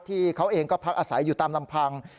ที่เขาเองก็พักอาศัยอยู่ตามลำพัง